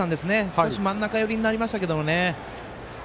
少し真ん中寄りになりましたけど。